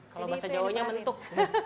kalau bahasa jawa nya mentuk